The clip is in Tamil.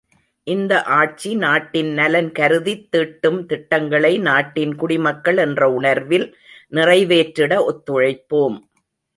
இந்த ஆட்சி நாட்டின் நலன் கருதித்தீட்டிடும் திட்டங்களை நாட்டின் குடிமக்கள் என்ற உணர்வில் நிறைவேற்றிட ஒத்துழைப்போம்!